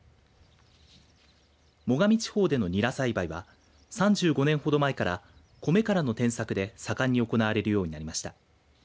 最上地方でのニラ栽培は３５年ほど前からコメからの転作で盛んに行われるようになりました。